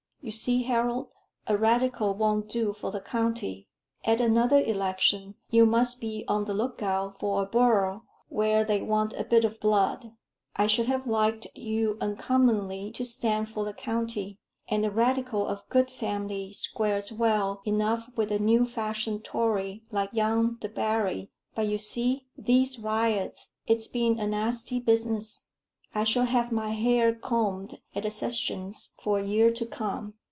You see, Harold, a Radical won't do for the county. At another election, you must be on the look out for a borough where they want a bit of blood. I should have liked you uncommonly to stand for the county; and a Radical of good family squares well enough with a new fashioned Tory like young Debarry; but you see, these riots it's been a nasty business. I shall have my hair combed at the sessions for a year to come.